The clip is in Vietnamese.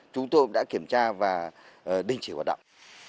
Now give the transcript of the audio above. chúng tôi đã kiểm tra và đình chỉ hoạt động